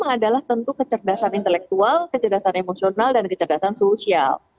adalah tentu kecerdasan intelektual kecerdasan emosional dan kecerdasan sosial